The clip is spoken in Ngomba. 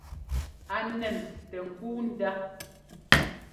A nɛn tɛ ŋ́kúu ndá.